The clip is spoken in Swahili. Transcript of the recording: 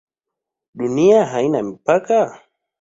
Dunia haina mipaka?